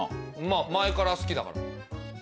まぁ前から好きだから。